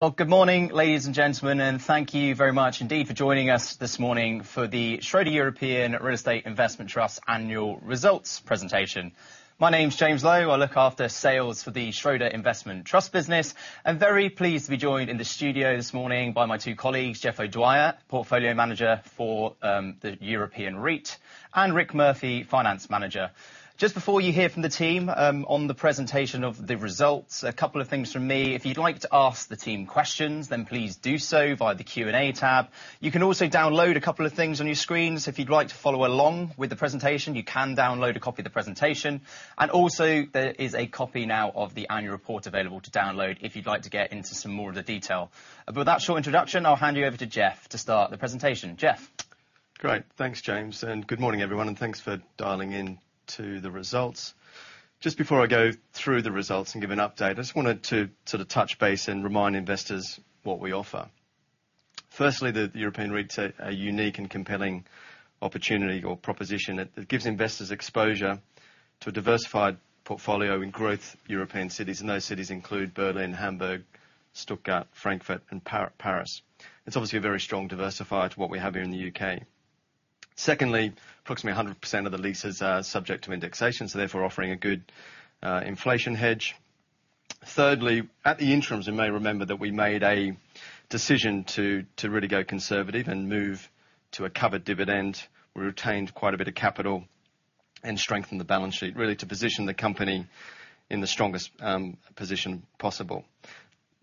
Well, good morning, ladies and gentlemen, and thank you very much indeed for joining us this morning for the Schroder European Real Estate Investment Trust annual results presentation. My name's James Lowe. I look after sales for the Schroder Investment Trust business. I'm very pleased to be joined in the studio this morning by my two colleagues, Jeff O'Dwyer, Portfolio Manager for the European REIT, and Rick Murphy, Finance Manager. Just before you hear from the team on the presentation of the results, a couple of things from me. If you'd like to ask the team questions, then please do so via the Q&A tab. You can also download a couple of things on your screens. If you'd like to follow along with the presentation, you can download a copy of the presentation, and also there is a copy now of the annual report available to download if you'd like to get into some more of the detail. But with that short introduction, I'll hand you over to Jeff to start the presentation. Jeff? Great. Thanks, James, and good morning, everyone, and thanks for dialing in to the results. Just before I go through the results and give an update, I just wanted to, sort of, touch base and remind investors what we offer. Firstly, the European REIT's a unique and compelling opportunity or proposition that gives investors exposure to a diversified portfolio in growth European cities, and those cities include Berlin, Hamburg, Stuttgart, Frankfurt, and Paris. It's obviously a very strong diversifier to what we have here in the UK. Secondly, approximately 100% of the leases are subject to indexation, so therefore offering a good inflation hedge. Thirdly, at the interims, you may remember that we made a decision to really go conservative and move to a covered dividend. We retained quite a bit of capital and strengthened the balance sheet, really to position the company in the strongest position possible.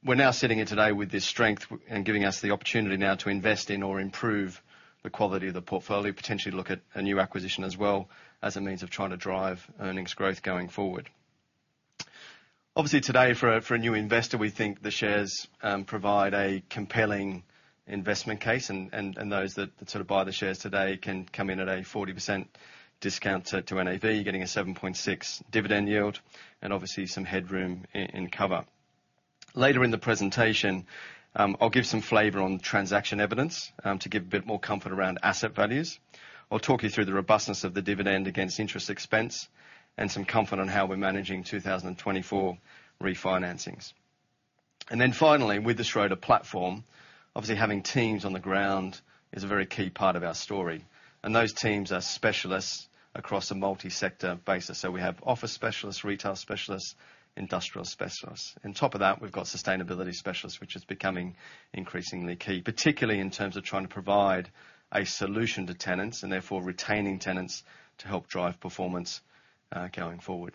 We're now sitting here today with this strength, and giving us the opportunity now to invest in or improve the quality of the portfolio, potentially look at a new acquisition as well, as a means of trying to drive earnings growth going forward. Obviously, today, for a new investor, we think the shares provide a compelling investment case, and those that sort of buy the shares today can come in at a 40% discount to NAV, getting a 7.6% dividend yield, and obviously some headroom in cover. Later in the presentation, I'll give some flavor on transaction evidence, to give a bit more comfort around asset values. I'll talk you through the robustness of the dividend against interest expense and some comfort on how we're managing 2024 refinancings. And then finally, with the Schroder platform, obviously, having teams on the ground is a very key part of our story, and those teams are specialists across a multi-sector basis. So we have office specialists, retail specialists, industrial specialists. On top of that, we've got sustainability specialists, which is becoming increasingly key, particularly in terms of trying to provide a solution to tenants and therefore retaining tenants to help drive performance going forward.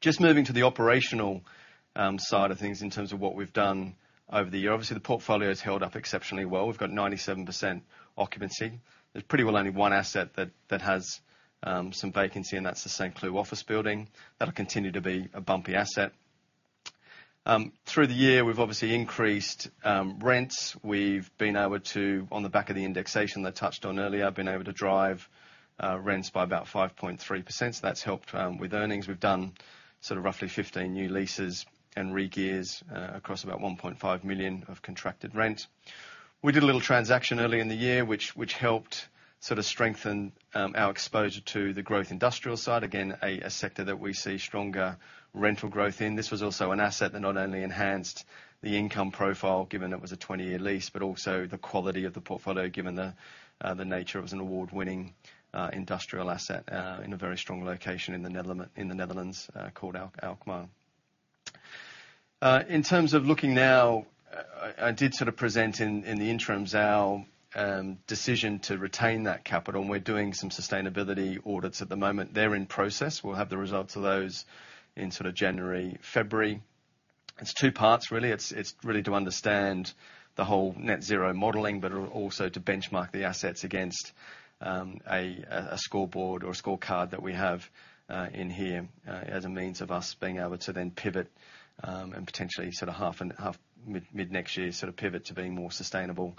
Just moving to the operational side of things in terms of what we've done over the year, obviously, the portfolio's held up exceptionally well. We've got 97% occupancy. There's pretty well only one asset that has some vacancy, and that's the Saint-Cloud office building. That'll continue to be a bumpy asset. Through the year, we've obviously increased rents. We've been able to, on the back of the indexation that I touched on earlier, drive rents by about 5.3%, so that's helped with earnings. We've done sort of roughly 15 new leases and regears across about 1.5 million of contracted rent. We did a little transaction earlier in the year, which helped sort of strengthen our exposure to the growth industrial side, again, a sector that we see stronger rental growth in. This was also an asset that not only enhanced the income profile, given it was a 20-year lease, but also the quality of the portfolio, given the nature. It was an award-winning industrial asset in a very strong location in the Netherlands called Alkmaar. In terms of looking now, I did sort of present in the interims our decision to retain that capital, and we're doing some sustainability audits at the moment. They're in process. We'll have the results of those in sort of January, February. It's two parts, really. It's really to understand the whole net zero modeling, but also to benchmark the assets against a scoreboard or a scorecard that we have in here as a means of us being able to then pivot and potentially sort of half and half, mid-next year, sort of pivot to being more sustainable.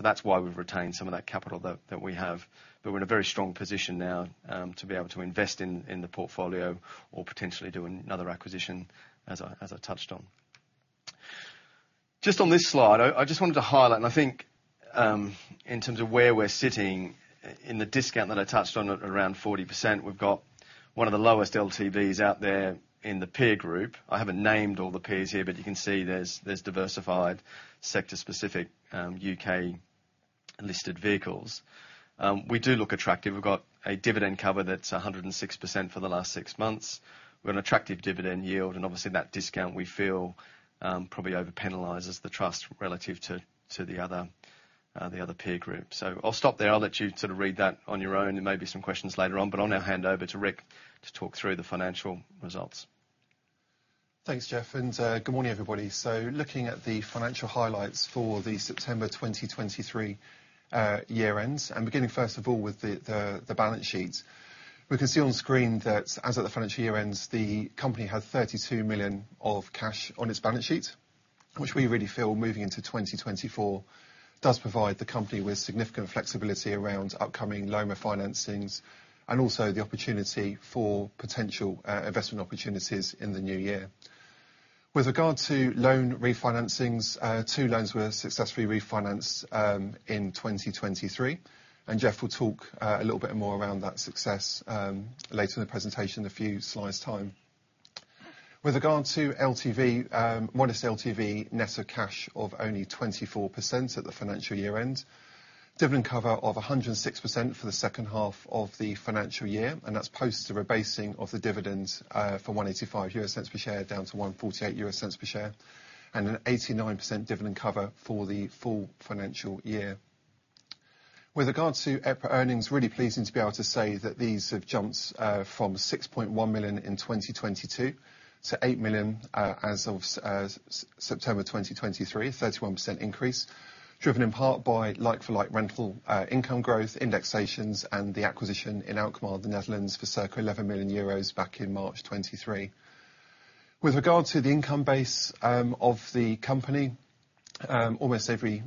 That's why we've retained some of that capital that we have, but we're in a very strong position now to be able to invest in the portfolio or potentially do another acquisition, as I touched on. Just on this slide, I just wanted to highlight, and I think in terms of where we're sitting in the discount that I touched on, at around 40%, we've got one of the lowest LTVs out there in the peer group. I haven't named all the peers here, but you can see there's diversified sector-specific U.K.-listed vehicles. We do look attractive. We've got a dividend cover that's 106% for the last six months. We've got an attractive dividend yield, and obviously, that discount, we feel, probably overpenalizes the trust relative to the other peer group. I'll stop there. I'll let you sort of read that on your own. There may be some questions later on, but I'll now hand over to Rick to talk through the financial results. Thanks, Jeff, and good morning, everybody. Looking at the financial highlights for the September 2023 year ends, and beginning, first of all, with the balance sheet, we can see on screen that as of the financial year ends, the company had 32 million of cash on its balance sheet, which we really feel, moving into 2024, does provide the company with significant flexibility around upcoming loan refinancings and also the opportunity for potential investment opportunities in the new year. With regard to loan refinancings, 2 loans were successfully refinanced in 2023, and Jeff will talk a little bit more around that success later in the presentation, in a few slides' time. With regard to LTV, Net LTV, net of cash of only 24% at the financial year end. Dividend cover of 106% for the second half of the financial year, and that's post a rebasing of the dividend, from 1.85 EUR per share, down to 1.48 EUR per share, and an 89% dividend cover for the full financial year. With regard to EPRA earnings, really pleasing to be able to say that these have jumped from 6.1 million in 2022 to 8 million as of September 2023, 31% increase, driven in part by like-for-like rental income growth, indexations, and the acquisition in Alkmaar, the Netherlands, for circa 11 million euros back in March 2023. With regard to the income base of the company, almost every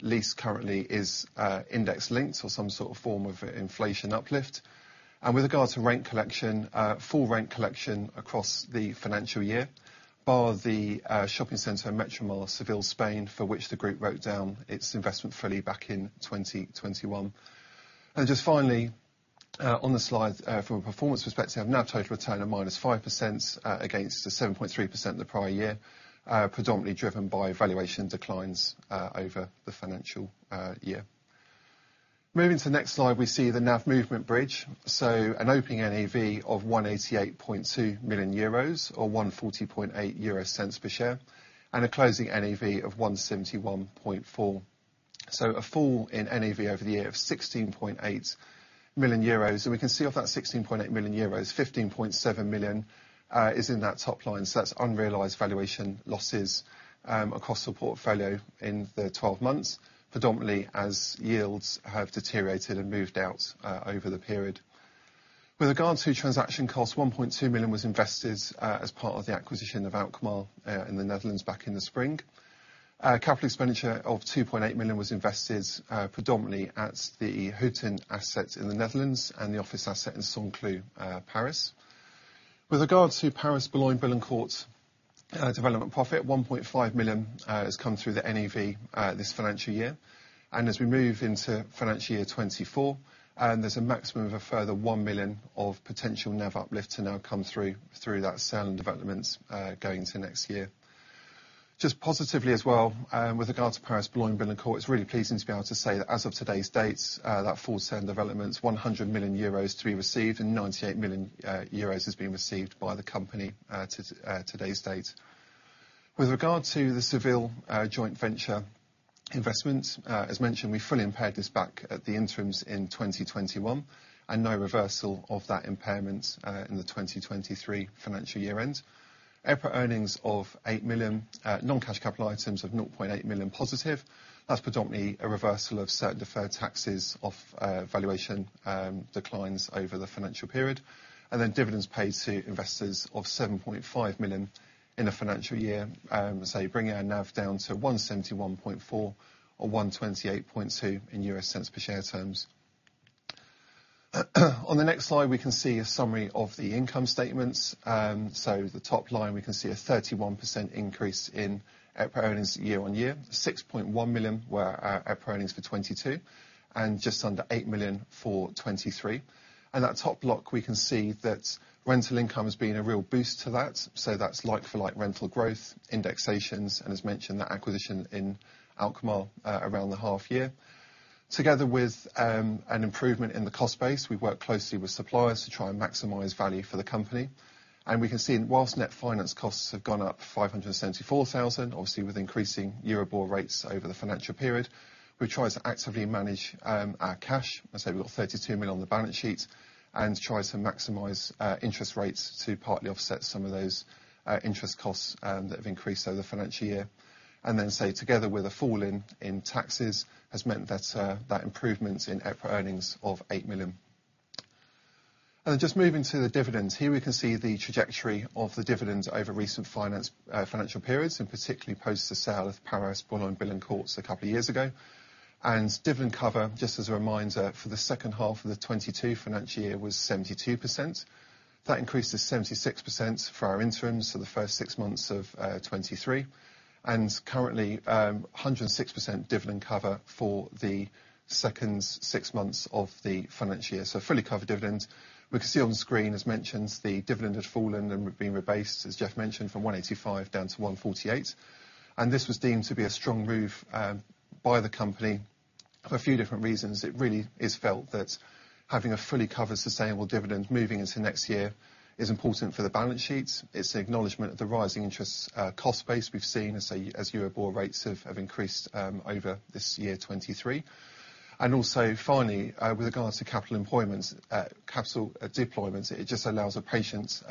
lease currently is index linked or some sort of form of inflation uplift. With regard to rent collection, full rent collection across the financial year, bar the shopping center, Metromar, Seville, Spain, for which the group wrote down its investment fully back in 2021. Just finally, on the slide, from a performance perspective, NAV total return of -5%, against the 7.3% the prior year, predominantly driven by valuation declines over the financial year. Moving to the next slide, we see the NAV movement bridge. So an opening NAV of 188.2 million euros, or 1.408 euro per share, and a closing NAV of 171.4 million. A fall in NAV over the year of 16.8 million euros. We can see off that 16.8 million euros, 15.7 million is in that top line. That's unrealized valuation losses across the portfolio in the twelve months, predominantly as yields have deteriorated and moved out over the period. With regard to transaction costs, 1.2 million was invested as part of the acquisition of Alkmaar in the Netherlands, back in the spring. Capital expenditure of 2.8 million was invested, predominantly at the Houten asset in the Netherlands and the office asset in Saint-Cloud, Paris. With regard to Paris Boulogne-Billancourt, development profit, 1.5 million has come through the NAV this financial year. As we move into financial year 2024, and there's a maximum of a further 1 million of potential NAV uplift to now come through, through that sale and developments, going to next year. Just positively as well, with regard to Paris Boulogne-Billancourt, it's really pleasing to be able to say that as of today's date, that full sale development, 100 million euros to be received, and 98 million euros has been received by the company, to today's date. With regard to the Seville, joint venture investment, as mentioned, we fully impaired this back at the interims in 2021, and no reversal of that impairment, in the 2023 financial year end. EPRA earnings of 8 million, non-cash capital items of 0.8 million positive. That's predominantly a reversal of certain deferred taxes off valuation declines over the financial period. And then dividends paid to investors of 7.5 million in the financial year, so bringing our NAV down to 171.4 or $1.282 per share terms. On the next slide, we can see a summary of the income statements. So the top line, we can see a 31% increase in EPRA earnings year-on-year. 6.1 million were our EPRA earnings for 2022, and just under 8 million for 2023. And that top block, we can see that rental income has been a real boost to that. So that's like for like rental growth, indexations, and as mentioned, that acquisition in Alkmaar around the half year. Together with an improvement in the cost base, we worked closely with suppliers to try and maximize value for the company. And we can see, while net finance costs have gone up 574,000, obviously, with increasing Euribor rates over the financial period, we try to actively manage our cash. I say, we've got 32 million on the balance sheet and try to maximize interest rates to partly offset some of those interest costs that have increased over the financial year. Then, so together with a fall in taxes, has meant that that improvement in EPRA earnings of 8 million. And just moving to the dividends, here we can see the trajectory of the dividends over recent financial periods, and particularly post the sale of Paris Boulogne-Billancourt a couple of years ago. Dividend cover, just as a reminder, for the second half of the 2022 financial year, was 72%. That increased to 76% for our interims, so the first six months of 2023. Currently, 106% dividend cover for the second six months of the financial year. Fully covered dividend. We can see on the screen, as mentioned, the dividend had fallen and been rebased, as Jeff mentioned, from 185 EUR down to 148 EUR, and this was deemed to be a strong move by the company for a few different reasons. It really is felt that having a fully covered, sustainable dividend moving into next year is important for the balance sheets. It's an acknowledgement of the rising interest cost base we've seen, as Euribor rates have increased over this year, 2023. Also, finally, with regards to capital employment, capital deployment, it just allows a patient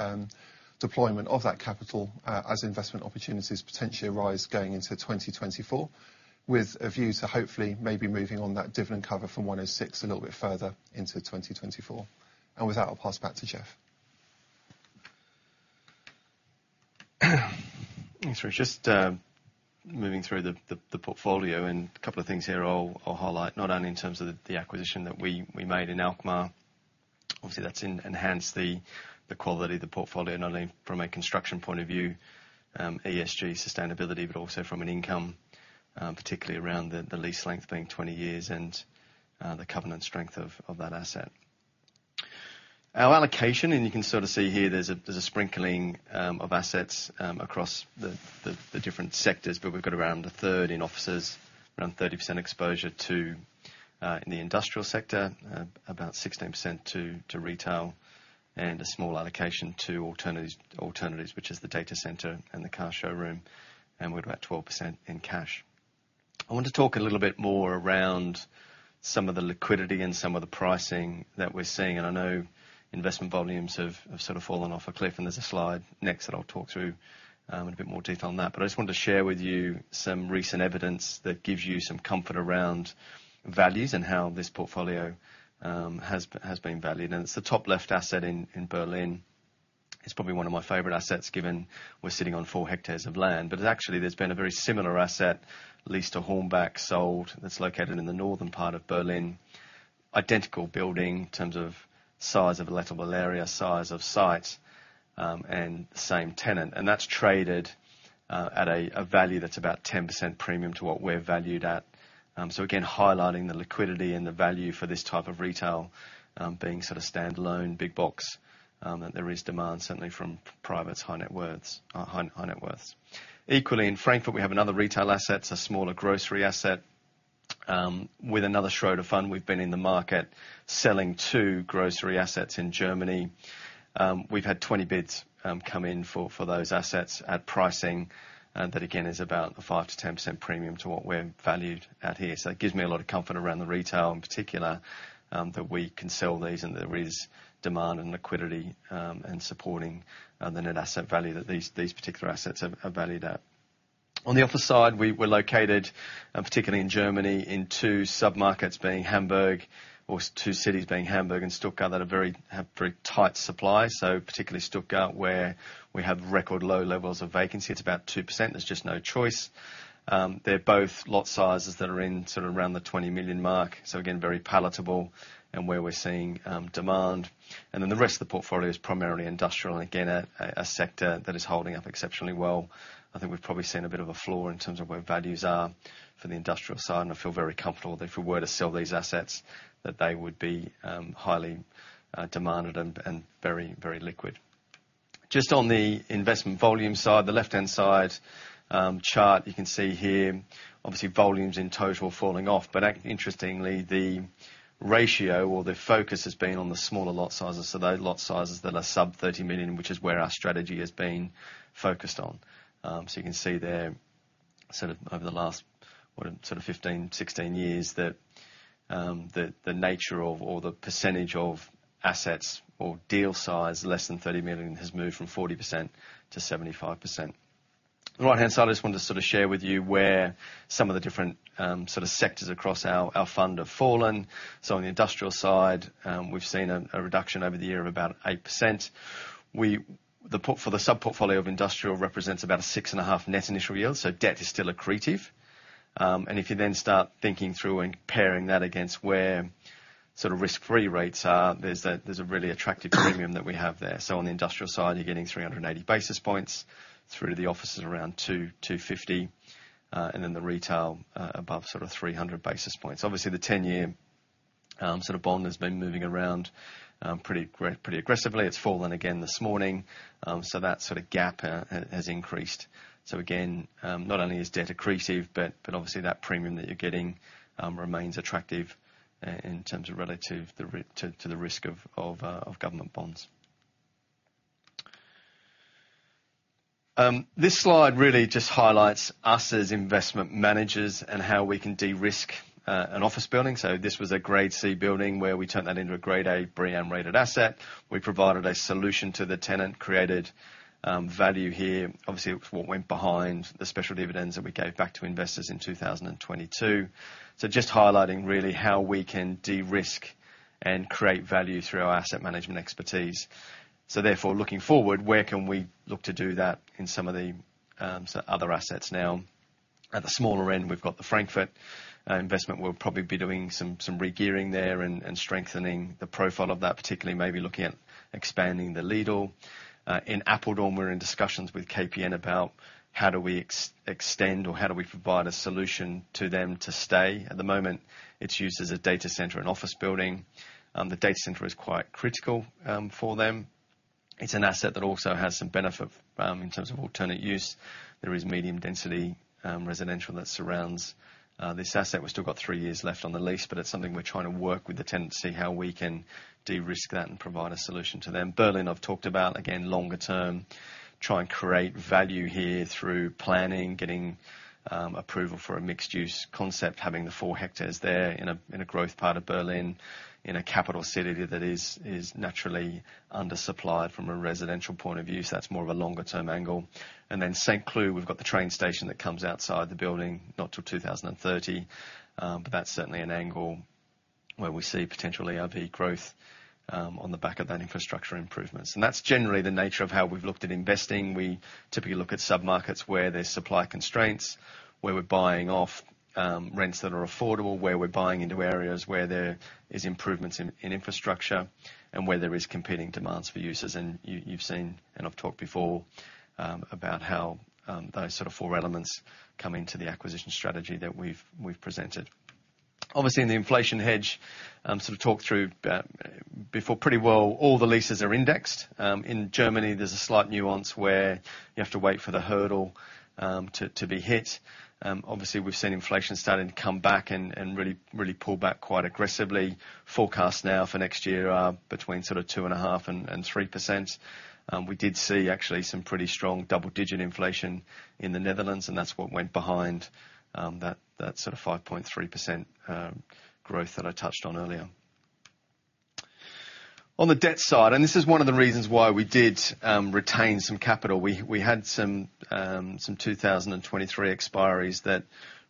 deployment of that capital, as investment opportunities potentially arise going into 2024, with a view to hopefully maybe moving on that dividend cover from 1.06 a little bit further into 2024. With that, I'll pass back to Jeff. Sorry, just moving through the portfolio, and a couple of things here I'll highlight, not only in terms of the acquisition that we made in Alkmaar, obviously, that's enhanced the quality of the portfolio, not only from a construction point of view, ESG sustainability, but also from an income, particularly around the lease length being 20 years and the covenant strength of that asset. Our allocation, and you can sort of see here, there's a sprinkling of assets across the different sectors, but we've got around a third in offices, around 30% exposure to in the industrial sector, about 16% to retail, and a small allocation to alternatives, which is the data center and the car showroom, and we've about 12% in cash. I want to talk a little bit more around some of the liquidity and some of the pricing that we're seeing, and I know investment volumes have sort of fallen off a cliff, and there's a slide next that I'll talk through in a bit more detail on that. I just wanted to share with you some recent evidence that gives you some comfort around values and how this portfolio has been valued. And it's the top left asset in Berlin. It's probably one of my favorite assets, given we're sitting on four hectares of land, but actually, there's been a very similar asset leased to Hornbach sold that's located in the northern part of Berlin. Identical building in terms of size of lettable area, size of site, and same tenant, and that's traded at a value that's about 10% premium to what we're valued at. So again, highlighting the liquidity and the value for this type of retail, being sort of standalone, big box, that there is demand certainly from privates, high net worths, high net worths. Equally, in Frankfurt, we have another retail asset, it's a smaller grocery asset. With another Schroder fund, we've been in the market selling two grocery assets in Germany. We've had 20 bids come in for those assets at pricing, and that, again, is about a 5%-10% premium to what we're valued at here. So that gives me a lot of comfort around the retail, in particular, that we can sell these, and there is demand and liquidity, and supporting the net asset value that these particular assets are valued at. On the office side, we're located, particularly in Germany, in two sub-markets, being Hamburg, or two cities being Hamburg and Stuttgart, that have very tight supply, so particularly Stuttgart, where we have record low levels of vacancy. It's about 2%. There's just no choice. They're both lot sizes that are in sort of around the 20 million mark, so again, very palatable and where we're seeing demand. Then the rest of the portfolio is primarily industrial, and again, a sector that is holding up exceptionally well. I think we've probably seen a bit of a floor in terms of where values are for the industrial side, and I feel very comfortable that if we were to sell these assets, that they would be highly demanded and very, very liquid. Just on the investment volume side, the left-hand side chart, you can see here, obviously, volumes in total falling off, but interestingly, the ratio or the focus has been on the smaller lot sizes, so those lot sizes that are sub 30 million, which is where our strategy has been focused on. You can see there, sort of over the last, what, sort of 15, 16 years, that, the nature of or the percentage of assets or deal size, less than 30 million, has moved from 40% to 75%. The right-hand side, I just wanted to sort of share with you where some of the different, sort of sectors across our fund have fallen. So on the industrial side, we've seen a reduction over the year of about 8%. The sub-portfolio of industrial represents about a 6.5% Net Initial Yield, so debt is still accretive. And if you then start thinking through and pairing that against where sort of risk-free rates are, there's a really attractive premium that we have there. On the industrial side, you're getting 380 basis points, through to the office is around 225, and then the retail, above sort of 300 basis points. Obviously, the 10-year sort of bond has been moving around pretty aggressively, it's fallen again this morning. That sort of gap has increased, so again, not only is debt accretive, but obviously that premium that you're getting remains attractive, in terms of relative to the risk of government bonds. This slide really just highlights us as investment managers and how we can de-risk an office building. So this was a Grade C building, where we turned that into a Grade A BREEAM rated asset. We provided a solution to the tenant, created value here. Obviously, it was what went behind the special dividends that we gave back to investors in 2022, so just highlighting really how we can de-risk and create value through our asset management expertise. Looking forward, where can we look to do that in some of the sort of other assets now? At the smaller end, we've got the Frankfurt investment. We'll probably be doing some regearing there and strengthening the profile of that, particularly maybe looking at expanding the Lidl. In Apeldoorn, we're in discussions with KPN about how do we extend or how do we provide a solution to them to stay. At the moment, it's used as a data center and office building. The data center is quite critical for them. It's an asset that also has some benefit in terms of alternate use. There is medium-density residential that surrounds this asset. We've still got 3 years left on the lease, but it's something we're trying to work with the tenant to see how we can de-risk that and provide a solution to them. Berlin, I've talked about, again, longer term, try and create value here through planning, getting approval for a mixed-use concept, having the 4 hectares there in a growth part of Berlin, in a capital city that is naturally undersupplied from a residential point of view. That's more of a longer-term angle, then Saint-Cloud, we've got the train station that comes outside the building, not till 2030, but that's certainly an angle where we see potential ERV growth on the back of that infrastructure improvements. And that's generally the nature of how we've looked at investing. We typically look at sub-markets where there's supply constraints, where we're buying off rents that are affordable, where we're buying into areas where there is improvements in infrastructure, and where there is competing demands for users. You've seen, and I've talked before, about how those sort of four elements come into the acquisition strategy that we've presented. Obviously, in the inflation hedge sort of talked through before, pretty well all the leases are indexed. In Germany, there's a slight nuance where you have to wait for the hurdle to be hit. Obviously, we've seen inflation starting to come back and really pull back quite aggressively. Forecast now for next year are between sort of 2.5 and 3%. We did see actually some pretty strong double-digit inflation in the Netherlands, and that's what went behind that sort of 5.3% growth that I touched on earlier. On the debt side, and this is one of the reasons why we did retain some capital. We had some 2023 expiries that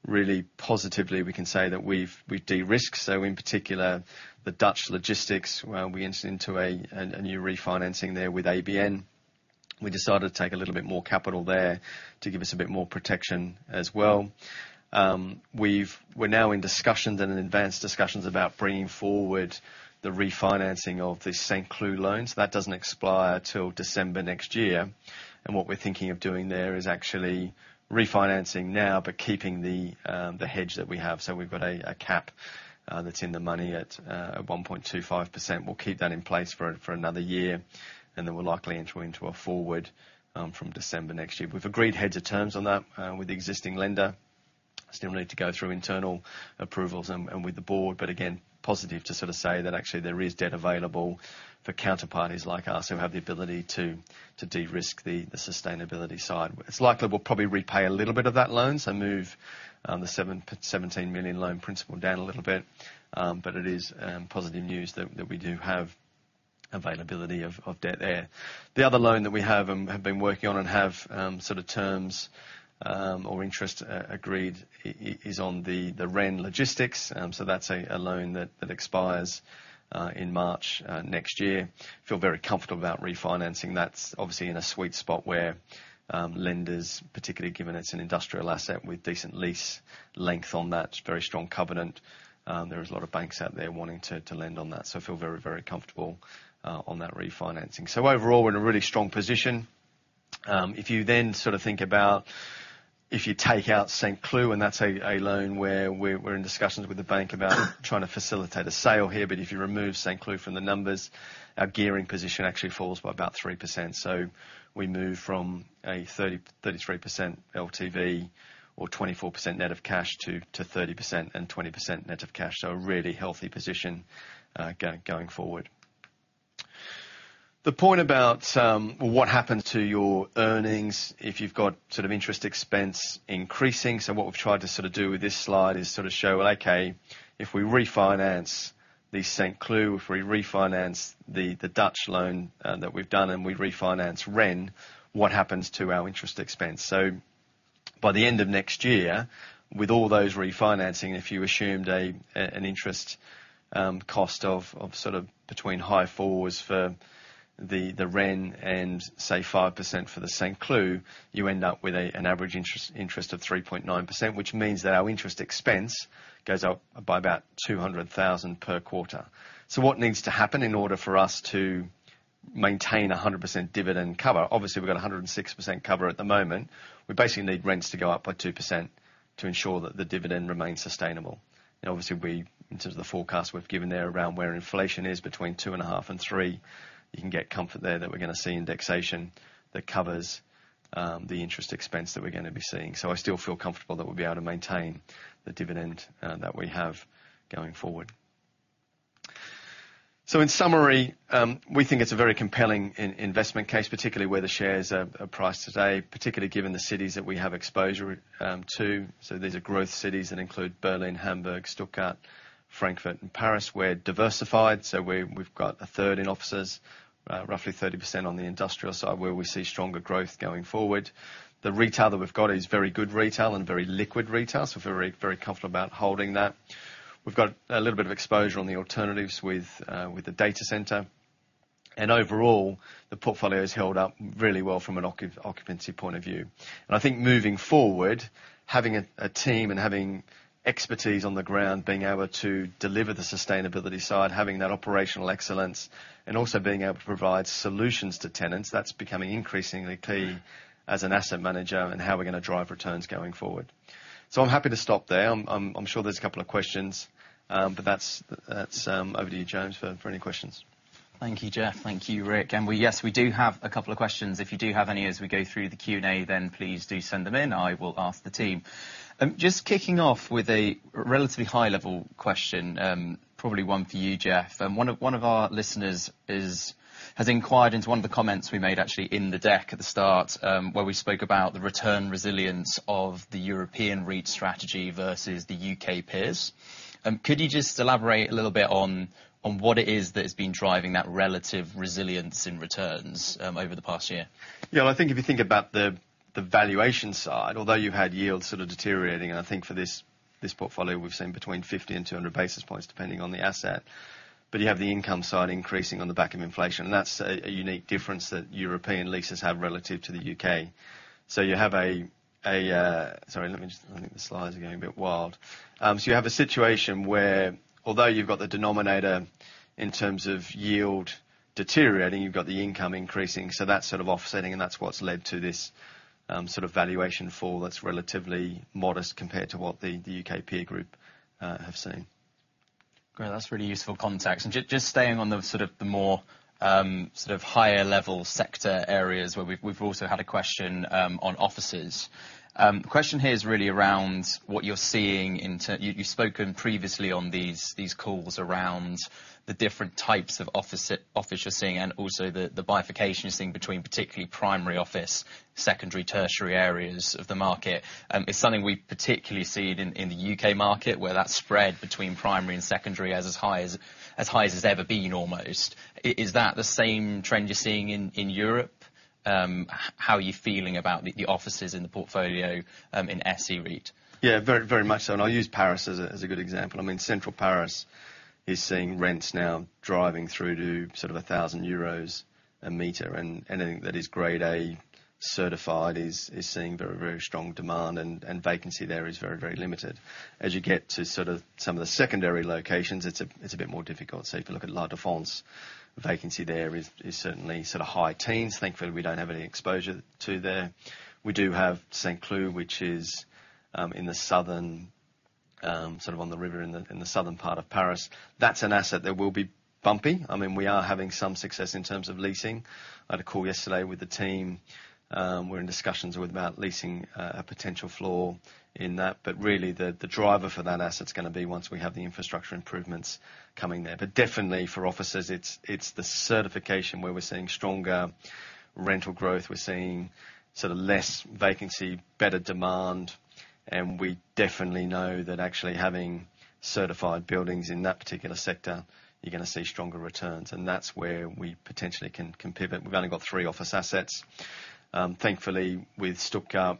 really positively we can say that we've de-risked. So in particular, the Dutch logistics, we entered into a new refinancing there with ABN. We decided to take a little bit more capital there to give us a bit more protection as well. We're now in discussions and in advanced discussions about bringing forward the refinancing of the Saint-Cloud loan, so that doesn't expire till December next year. What we're thinking of doing there is actually refinancing now, but keeping the hedge that we have. So we've got a cap that's in the money at 1.25%. We'll keep that in place for another year, and then we'll likely enter into a forward from December next year. We've agreed heads of terms on that with the existing lender. Still need to go through internal approvals and with the board, but again, positive to sort of say that actually there is debt available for counterparties like us, who have the ability to de-risk the sustainability side. It's likely we'll probably repay a little bit of that loan, so move the 717 million loan principal down a little bit. It is positive news that we do have availability of debt there. The other loan that we have been working on and have sort of terms or interest agreed is on the Rennes Logistics. So that's a loan that expires in March next year. Feel very comfortable about refinancing. That's obviously in a sweet spot where lenders, particularly given it's an industrial asset with decent lease length on that, very strong covenant, there is a lot of banks out there wanting to lend on that. So I feel very, very comfortable on that refinancing. So overall, we're in a really strong position. If you then sort of think about if you take out Saint-Cloud, and that's a loan where we're in discussions with the bank about trying to facilitate a sale here, but if you remove Saint-Cloud from the numbers, our gearing position actually falls by about 3%. So we move from a 33% LTV or 24% net of cash to 30% and 20% net of cash. A really healthy position, going forward. The point about, well, what happened to your earnings if you've got sort of interest expense increasing? So what we've tried to sort of do with this slide is sort of show, well, okay, if we refinance the Saint-Cloud, if we refinance the Dutch loan that we've done, and we refinance Rennes, what happens to our interest expense? By the end of next year, with all those refinancing, if you assumed an interest cost of sort of between high fours for the Ren and, say, 5% for the Saint-Cloud, you end up with an average interest of 3.9%, which means that our interest expense goes up by about 200,000 per quarter. So what needs to happen in order for us to maintain 100% dividend cover? Obviously, we've got 106% cover at the moment. We basically need rents to go up by 2% to ensure that the dividend remains sustainable. Obviously, in terms of the forecast we've given there, around where inflation is, between 2.5 and 3, you can get comfort there that we're gonna see indexation that covers the interest expense that we're gonna be seeing. I still feel comfortable that we'll be able to maintain the dividend that we have going forward. In summary, we think it's a very compelling investment case, particularly where the shares are priced today, particularly given the cities that we have exposure to. These are growth cities that include Berlin, Hamburg, Stuttgart, Frankfurt, and Paris. We're diversified, so we've got a third in offices, roughly 30% on the industrial side, where we see stronger growth going forward. The retail that we've got is very good retail and very liquid retail, so feel very, very comfortable about holding that. We've got a little bit of exposure on the alternatives with the data center. Overall, the portfolio has held up really well from an occupancy point of view and I think moving forward, having a team and having expertise on the ground, being able to deliver the sustainability side, having that operational excellence, and also being able to provide solutions to tenants that's becoming increasingly key as an asset manager and how we're gonna drive returns going forward. I'm happy to stop there. I'm sure there's a couple of questions, but that's that. Over to you, James, for any questions. Thank you, Jeff. Thank you, Rick. Yes, we do have a couple of questions. If you do have any as we go through the Q&A, then please do send them in. I will ask the team. Just kicking off with a relatively high-level question, probably one for you, Jeff. One of our listeners has inquired into one of the comments we made actually in the deck at the start, where we spoke about the return resilience of the European REIT strategy versus the U.K. peers. Could you just elaborate a little bit on what it is that has been driving that relative resilience in returns over the past year? Yeah, well, if you think about the valuation side, although you've had yields sort of deteriorating, and I think for this portfolio, we've seen between 50 and 200 basis points, depending on the asset, but you have the income side increasing on the back of inflation, and that's a unique difference that European leases have relative to the U.K. Sorry, let me just, I think the slides are getting a bit wild. So you have a situation where although you've got the denominator in terms of yield deteriorating, you've got the income increasing, so that's sort of offsetting, and that's what's led to this sort of valuation fall that's relatively modest compared to what the U.K. peer group have seen. Great, that's really useful context. Just staying on the sort of the more sort of higher level sector areas, where we've also had a question on offices. The question here is really around what you're seeing. You've spoken previously on these calls around the different types of office offices you're seeing, and also the bifurcation you're seeing between particularly primary office, secondary, tertiary areas of the market. It's something we've particularly seen in the UK market, where that spread between primary and secondary is as high as it's ever been, almost. Is that the same trend you're seeing in Europe? How are you feeling about the offices in the portfolio in SE REIT? Yeah, very, very much so, and I'll use Paris as a good example. I mean, central Paris is seeing rents now driving through to sort of 1,000 euros a meter, and anything that is Grade A certified is seeing very, very strong demand, and vacancy there is very, very limited. As you get to sort of some of the secondary locations, it's a bit more difficult. So if you look at La Défense, vacancy there is certainly sort of high teens. Thankfully, we don't have any exposure to there. We do have Saint-Cloud, which is in the southern sort of on the river in the southern part of Paris. That's an asset that will be bumpy. I mean, we are having some success in terms of leasing. I had a call yesterday with the team. We're in discussions about leasing a potential floor in that, but really, the driver for that asset's gonna be once we have the infrastructure improvements coming there. But definitely for offices, it's the certification where we're seeing stronger rental growth, we're seeing sort of less vacancy, better demand, and we definitely know that actually having certified buildings in that particular sector, you're gonna see stronger returns, and that's where we potentially can pivot. We've only got three office assets. Thankfully, with Stuttgart,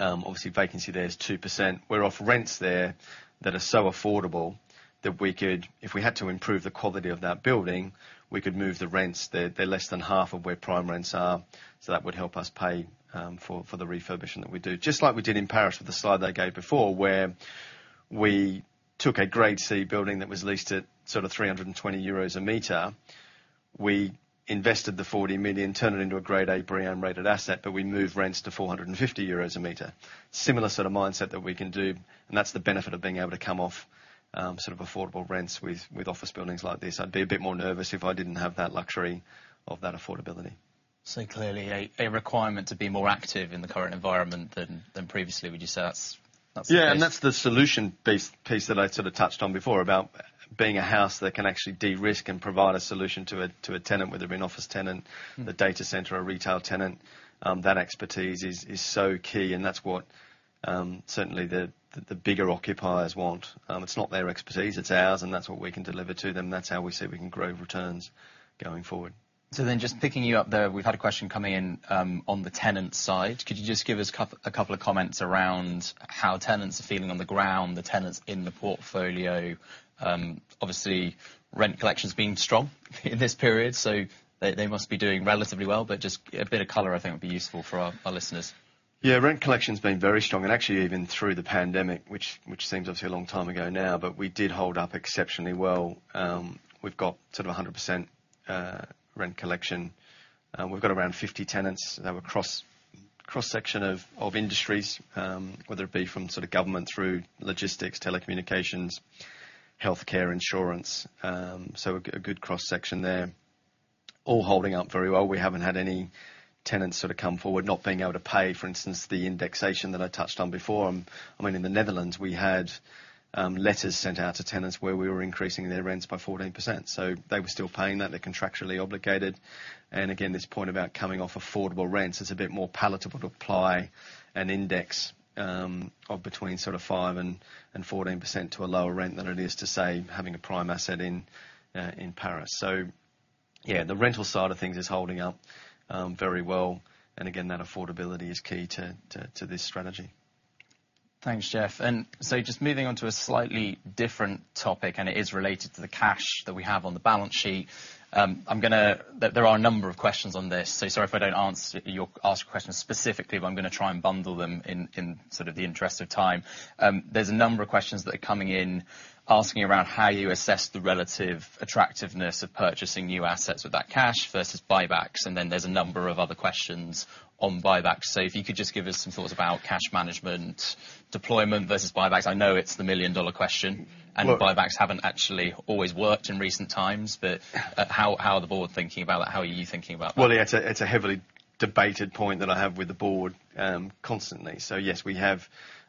obviously vacancy there is 2%. We're off rents there that are so affordable that we could... If we had to improve the quality of that building, we could move the rents. They're less than half of where prime rents are, so that would help us pay for the refurbishment that we do. Just like we did in Paris with the slide I gave before, where we took a Grade C building that was leased at sort of 320 euros a meter. We invested 40 million, turned it into a Grade A BREEAM-rated asset, but we moved rents to 450 euros a meter. Similar sort of mindset that we can do, and that's the benefit of being able to come off, sort of affordable rents with office buildings like this. I'd be a bit more nervous if I didn't have that luxury of that affordability. So clearly, a requirement to be more active in the current environment than previously, would you say that's the case? Yeah, and that's the solution-based piece that I sort of touched on before, about being a house that can actually de-risk and provide a solution to a, to a tenant, whether it be an office tenant- Mm. The data center or retail tenant. That expertise is so key, and that's what certainly the bigger occupiers want. It's not their expertise, it's ours, and that's what we can deliver to them. That's how we see we can grow returns going forward. Then just picking you up there, we've had a question come in, on the tenant side. Could you just give us a couple of comments around how tenants are feeling on the ground, the tenants in the portfolio? Obviously, rent collection's been strong in this period, so they, they must be doing relatively well, but just a bit of color, I think, would be useful for our, our listeners. Yeah, rent collection's been very strong and actually even through the pandemic, which seems obviously a long time ago now, but we did hold up exceptionally well. We've got sort of 100% rent collection. We've got around 50 tenants that were cross-section of industries, whether it be from sort of government through logistics, telecommunications, healthcare, insurance. A good cross-section there, all holding up very well. We haven't had any tenants sort of come forward, not being able to pay, for instance, the indexation that I touched on before. I mean, in the Netherlands, we had letters sent out to tenants where we were increasing their rents by 14%, so they were still paying that. They're contractually obligated. Again, this point about coming off affordable rents, it's a bit more palatable to apply an index of between sort of 5%-14% to a lower rent than it is to, say, having a prime asset in Paris. So yeah, the rental side of things is holding up very well, and again, that affordability is key to this strategy. Thanks, Jeff. And so just moving on to a slightly different topic, and it is related to the cash that we have on the balance sheet. I'm gonna try and bundle them in, in sort of the interest of time. There are a number of questions that are coming in, asking around how you assess the relative attractiveness of purchasing new assets with that cash versus buybacks, and then there's a number of other questions on buybacks. So if you could just give us some thoughts about cash management deployment versus buybacks. I know it's the million-dollar question- Look- and buybacks haven't actually always worked in recent times, but Yeah... how are the board thinking about that? How are you thinking about that? Well, yeah, it's a heavily debated point that I have with the board constantly. es, we're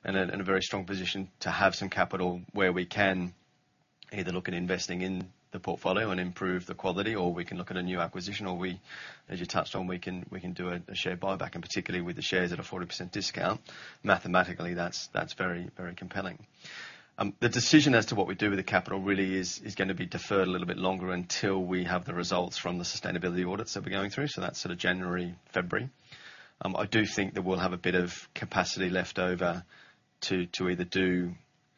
in a very strong position to have some capital where we can either look at investing in the portfolio and improve the quality, or we can look at a new acquisition, or, as you touched on, we can do a share buyback, and particularly with the shares at a 40% discount, mathematically, that's very, very compelling. The decision as to what we do with the capital really is gonna be deferred a little bit longer until we have the results from the sustainability audits that we're going through, so that's sort of January, February. I do think that we'll have a bit of capacity left over to either do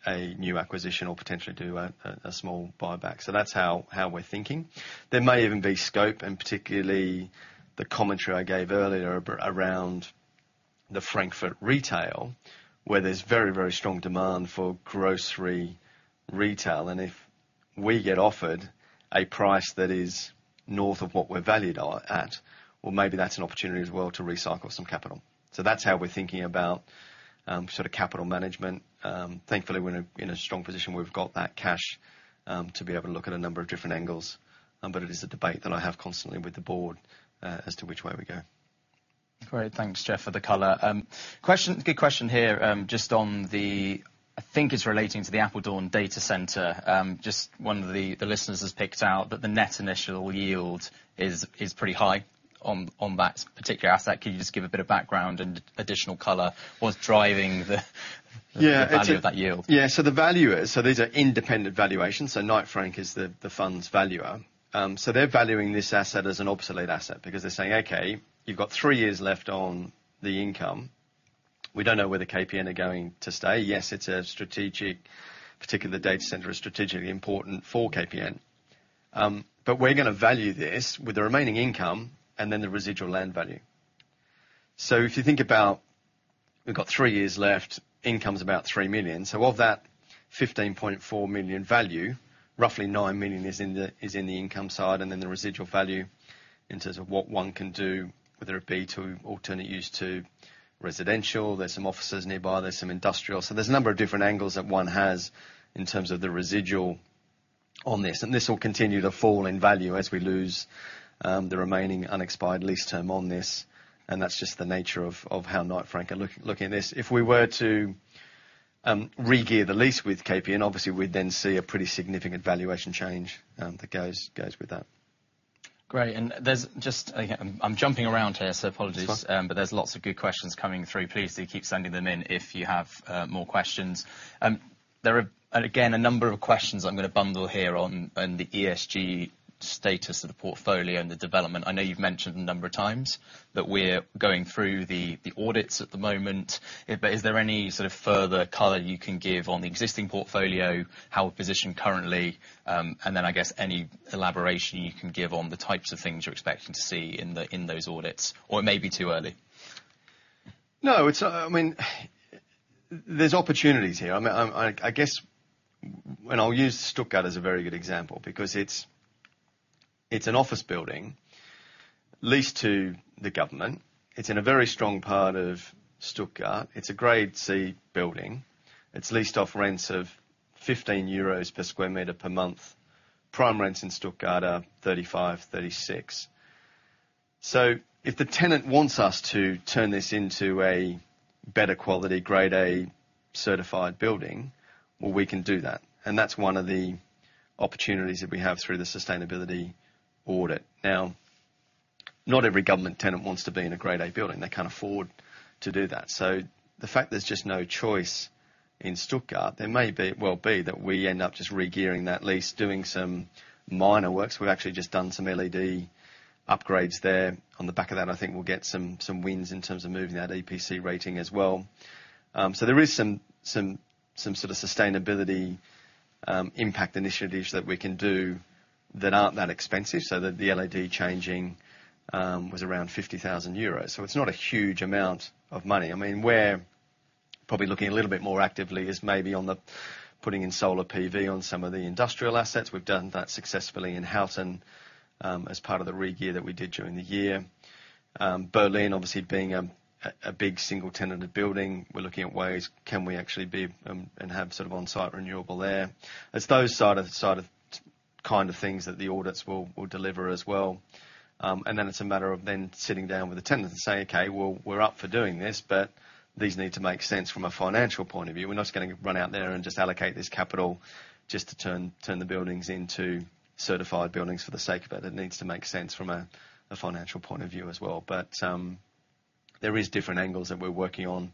a new acquisition or potentially do a small buyback, so that's how we're thinking. There may even be scope, and particularly the commentary I gave earlier around the Frankfurt retail, where there's very, very strong demand for grocery retail, and if we get offered a price that is north of what we're valued at, well, maybe that's an opportunity as well to recycle some capital. That's how we're thinking about sort of capital management. Thankfully, we're in a strong position where we've got that cash to be able to look at a number of different angles. But it is a debate that I have constantly with the board as to which way we go. Great. Thanks, Jeff, for the color. Question, good question here, just on the, I think it's relating to the Apeldoorn data center. Just one of the listeners has picked out that the net initial yield is pretty high on that particular asset. Can you just give a bit of background and additional color? What's driving the - Yeah, it's a- The value of that yield? Yeah, so the valuers, so these are independent valuations, so Knight Frank is the fund's valuer. So they're valuing this asset as an obsolete asset because they're saying, "Okay, you've got three years left on the income. We don't know where the KPN are going to stay. Yes, it's a strategic... Particularly the data center is strategically important for KPN. But we're gonna value this with the remaining income and then the residual land value." So if you think about, we've got three years left, income's about 3 million. So of that 15.4 million value, roughly 9 million is in the income side, and then the residual value, in terms of what one can do, whether it be to alternative use to residential, there's some offices nearby, there's some industrial. There's a number of different angles that one has in terms of the residual on this, and this will continue to fall in value as we lose the remaining unexpired lease term on this, and that's just the nature of how Knight Frank are looking at this. If we were to regear the lease with KPN, obviously we'd then see a pretty significant valuation change that goes with that. Great, and there's just... Again, I'm jumping around here, so apologies. It's fine. There's lots of good questions coming through. Please do keep sending them in if you have, more questions. There are, again, a number of questions I'm gonna bundle here on the ESG status of the portfolio and the development. I know you've mentioned a number of times that we're going through the audits at the moment, but is there any sort of further color you can give on the existing portfolio, how we're positioned currently? And then, I guess, any elaboration you can give on the types of things you're expecting to see in those audits, or it may be too early. No, it's. I mean, there's opportunities here. I mean, I guess, and I'll use Stuttgart as a very good example, because it's an office building leased to the government. It's in a very strong part of Stuttgart. It's a Grade C building. It's leased off rents of 15 euros per sq m per month. Prime rents in Stuttgart are 35-36. So if the tenant wants us to turn this into a better quality, Grade A certified building, well, we can do that, and that's one of the opportunities that we have through the sustainability audit. Now, not every government tenant wants to be in a Grade A building. They can't afford to do that, so the fact there's just no choice in Stuttgart, there may be, well, be that we end up just regearing that lease, doing some minor works. We've actually just done some LED upgrades there. On the back of that, I think we'll get some wins in terms of moving that EPC rating as well. So there is some sort of sustainability impact initiatives that we can do that aren't that expensive, so that the LED changing was around 50,000 euros, so it's not a huge amount of money. I mean, we're probably looking a little bit more actively is maybe on the putting in solar PV on some of the industrial assets. We've done that successfully in Houten, as part of the regear that we did during the year. Berlin, obviously being a big single-tenanted building, we're looking at ways can we actually be and have sort of on-site renewable there? It's those side of kind of things that the audits will deliver as well. And then it's a matter of then sitting down with the tenant and saying, "Okay, well, we're up for doing this, but these need to make sense from a financial point of view." We're not just gonna run out there and just allocate this capital just to turn the buildings into certified buildings for the sake of it. It needs to make sense from a financial point of view as well. But there is different angles that we're working on,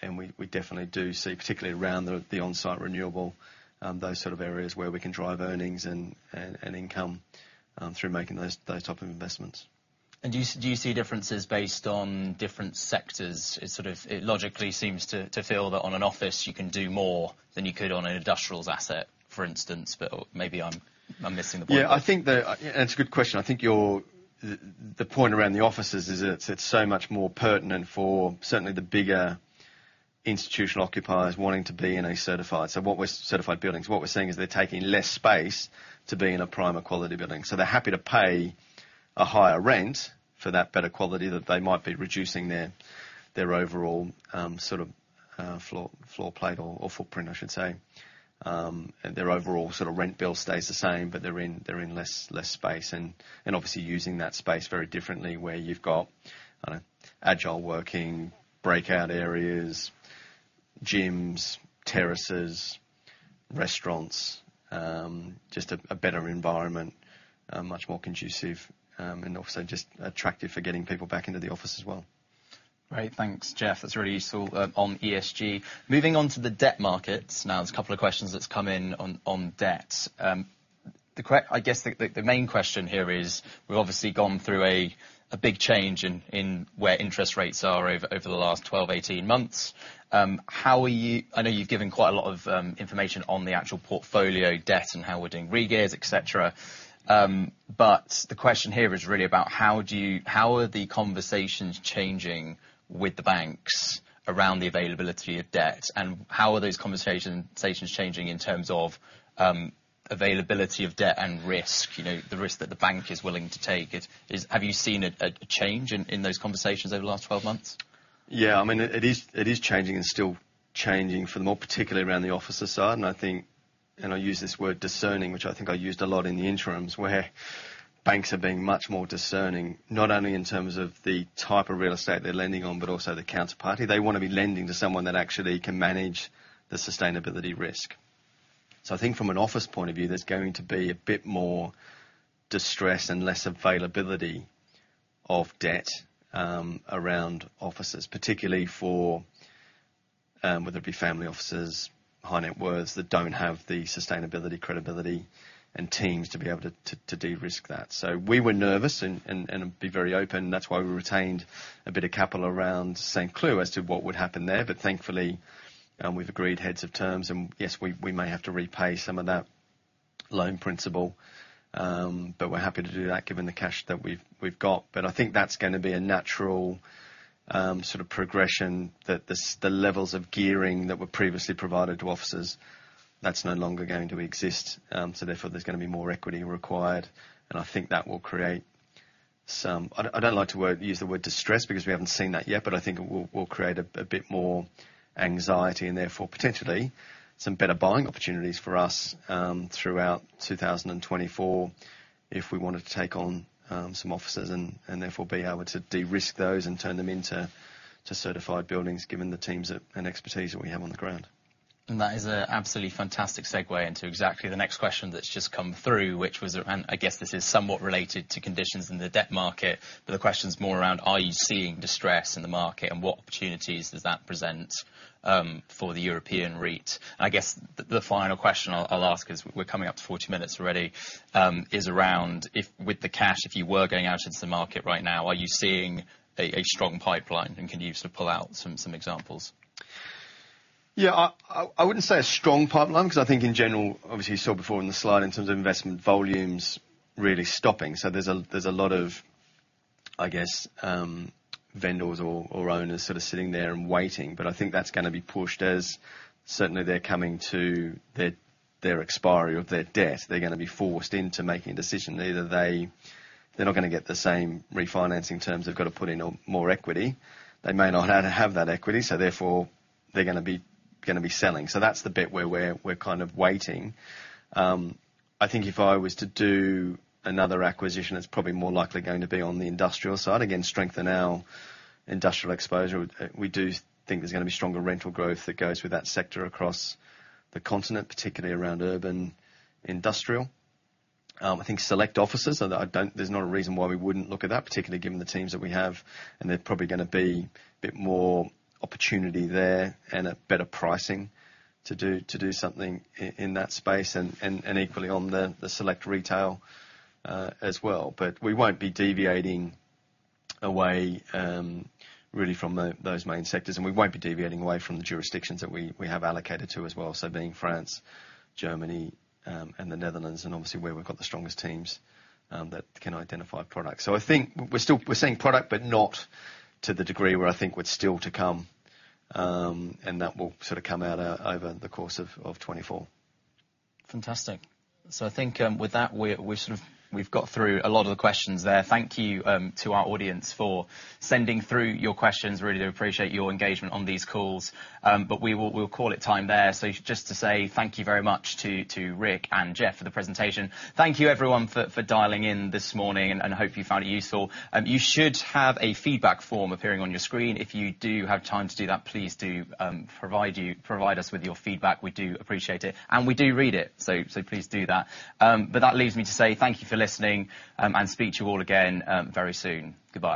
and we definitely do see, particularly around the on-site renewable, those sort of areas where we can drive earnings and income through making those type of investments. Do you, do you see differences based on different sectors? It sort of, it logically seems to, to feel that on an office, you can do more than you could on an industrials asset, for instance, but maybe I'm, I'm missing the point. It's a good question. I think you're the point around the offices is it's so much more pertinent for certainly the bigger institutional occupiers wanting to be in a certified. What we're—certified buildings. What we're seeing is they're taking less space to be in a premier quality building, so they're happy to pay a higher rent for that better quality, that they might be reducing their overall, sort of, floor plate or footprint, I should say. Their overall sort of rent bill stays the same, but they're in less space, and obviously using that space very differently, where you've got agile working, breakout areas, gyms, terraces, restaurants, just a better environment, much more conducive, and also just attractive for getting people back into the office as well. Great. Thanks, Jeff. That's really useful on ESG. Moving on to the debt markets now, there's a couple of questions that's come in on debt. I guess, the main question here is, we've obviously gone through a big change in where interest rates are over the last 12, 18 months. How are you—I know you've given quite a lot of information on the actual portfolio debt and how we're doing regears, et cetera, but the question here is really about how the conversations are changing with the banks around the availability of debt, and how are those conversations changing in terms of availability of debt and risk? You know, the risk that the bank is willing to take. Have you seen a change in those conversations over the last 12 months? Yeah, I mean, it is, it is changing and still changing for the worse, particularly around the office side. And I think, and I use this word discerning, which I think I used a lot in the interims, where banks are being much more discerning, not only in terms of the type of real estate they're lending on, but also the counterparty. They wanna be lending to someone that actually can manage the sustainability risk. So I think from an office point of view, there's going to be a bit more distress and less availability of debt around offices, particularly for whether it be family offices, high net worths, that don't have the sustainability credibility and teams to be able to de-risk that. So we were nervous and be very open, and that's why we retained a bit of capital around Stuttgart. Clear as to what would happen there. But thankfully, we've agreed heads of terms, and yes, we may have to repay some of that loan principal, but we're happy to do that given the cash that we've got. But I think that's gonna be a natural, sort of progression, that the levels of gearing that were previously provided to offices, that's no longer going to exist, so therefore, there's gonna be more equity required, and I think that will create some... I don't like to use the word distress, because we haven't seen that yet, but I think it will create a bit more anxiety and therefore potentially some better buying opportunities for us throughout 2024, if we wanted to take on some offices and therefore be able to de-risk those and turn them into certified buildings, given the teams and expertise that we have on the ground. That is absolutely fantastic segue into exactly the next question that's just come through, which was, and I guess this is somewhat related to conditions in the debt market, but the question is more around: Are you seeing distress in the market, and what opportunities does that present for the European REIT? And I guess the final question I'll ask is around if, with the cash, if you were going out into the market right now, are you seeing a strong pipeline, and can you sort of pull out some examples? Yeah. I wouldn't say a strong pipeline, 'cause I think in general, obviously you saw before in the slide, in terms of investment volumes really stopping. So there's a lot of, I guess, vendors or owners sort of sitting there and waiting. But I think that's gonna be pushed as certainly they're coming to their expiry of their debt. They're gonna be forced into making a decision. Either they... They're not gonna get the same refinancing terms. They've got to put in more equity. They may not have that equity, so therefore they're gonna be selling. So that's the bit where we're kind of waiting. I think if I was to do another acquisition, it's probably more likely going to be on the industrial side. Again, strengthen our industrial exposure. We do think there's gonna be stronger rental growth that goes with that sector across the continent, particularly around urban industrial. I think select offices, and there's not a reason why we wouldn't look at that, particularly given the teams that we have, and there's probably gonna be a bit more opportunity there and a better pricing to do something in that space, and equally on the select retail as well. We won't be deviating away really from those main sectors, and we won't be deviating away from the jurisdictions that we have allocated to as well. So being France, Germany, and the Netherlands, and obviously where we've got the strongest teams that can identify products. I think we're still seeing product, but not to the degree where I think we're still to come. And that will sort of come out over the course of 2024. Fantastic. So I think, with that, we're sort of, we've got through a lot of the questions there. Thank you to our audience for sending through your questions. Really do appreciate your engagement on these calls. But we'll call it time there. So just to say thank you very much to Rick and Jeff for the presentation. Thank you, everyone, for dialing in this morning, and hope you found it useful. You should have a feedback form appearing on your screen. If you do have time to do that, please do, provide us with your feedback. We do appreciate it, and we do read it, so please do that. But that leaves me to say thank you for listening, and speak to you all again, very soon. Goodbye.